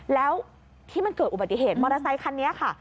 แล้วที่มันเกิดอุบัติเหตุมอเตอร์ไซคันนี้ค่ะ